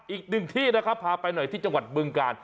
อีกหนึ่งที่นะครับพาไปหน่อยที่จังหวัดบึงกาล